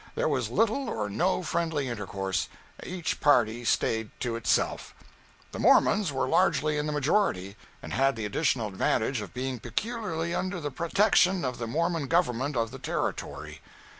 There was little or no friendly intercourse; each party staid to itself. The Mormons were largely in the majority, and had the additional advantage of being peculiarly under the protection of the Mormon government of the Territory.